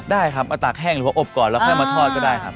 ได้ครับเอาตากแห้งหรือว่าอบก่อนแล้วค่อยมาทอดก็ได้ครับ